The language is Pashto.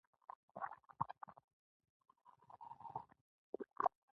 په باميان کې د ښځو لپاره د زده کړې فرصتونه زيات شوي دي.